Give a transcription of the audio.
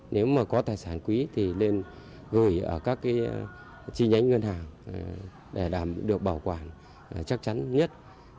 nếu mà có tài sản quý thì nên gửi ở các chi nhánh ngân hàng để được bảo quản chắc chắn nhất